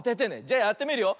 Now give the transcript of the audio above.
じゃやってみるよ。